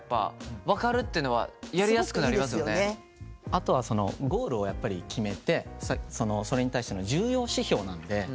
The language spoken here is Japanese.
あとはそのゴールをやっぱり決めてそれに対しての重要指標なんで。